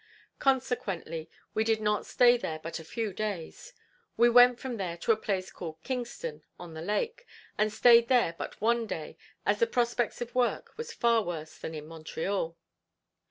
Consequently we did not stay there but a few days. We went from there to a place called Kingston, on the Lake, and stayed there but one day as the prospects of work was far worse than in Montreal.